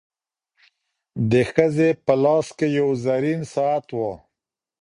د ښځي په لاس کي یو زرین ساعت و.